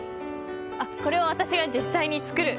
これを私が実際に作る。